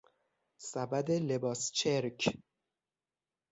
سبد لباس چرک